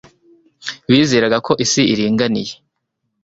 Bizeraga ko isi iringaniye